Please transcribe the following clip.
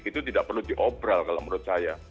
itu tidak perlu diobral kalau menurut saya